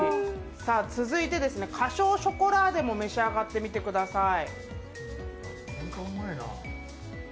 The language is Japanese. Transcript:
続いて、花椒ショコラーデも召し上がってみてください。